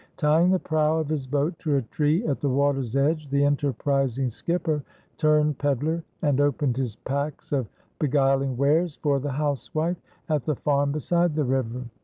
Tying the prow of his boat to a tree at the water's edge, the enterprising skipper turned pedler and opened his packs of beguiling wares for the housewife at the farm beside the river.